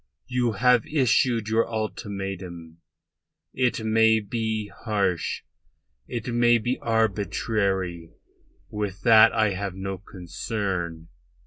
You have issued your ultimatum. It may be harsh, it may be arbitrary; with that I have no concern.